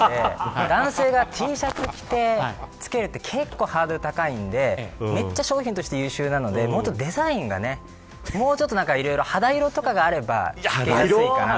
男性がＴシャツを着てつけるって結構ハードルが高いのでめっちゃ商品としては優秀なのでデザインがもうちょっと肌色とかがあれば着きやすいかな。